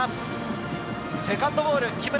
セカンドボールは木村。